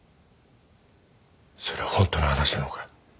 それホントの話なのか？